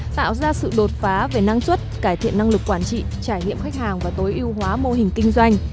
tạo ra sự đột phá về năng suất cải thiện năng lực quản trị trải nghiệm khách hàng và tối ưu hóa mô hình kinh doanh